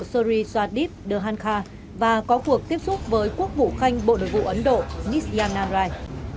suri swadip dehankar và có cuộc tiếp xúc với quốc vũ khanh bộ đội vụ ấn độ nisya nanrai